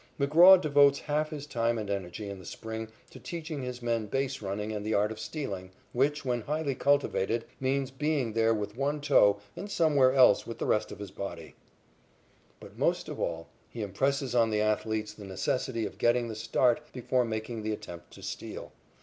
McGraw devotes half his time and energy in the spring to teaching his men base running and the art of sliding, which, when highly cultivated, means being there with one toe and somewhere else with the rest of the body. But most of all he impresses on the athletes the necessity of getting the start before making the attempt to steal.